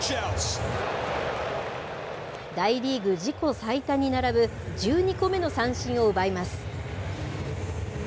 大リーグ自己最多に並ぶ１２個目の三振を奪います。